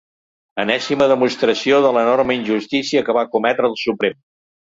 Enèsima demostració de l’enorme injustícia que va cometre el Suprem.